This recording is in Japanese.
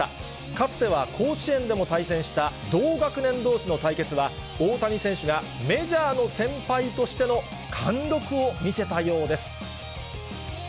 かつては甲子園でも対戦した同学年どうしの対決は、大谷選手がメジャーの先輩としての貫禄を見せたようです。